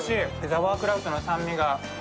ザワークラウトの酸味が。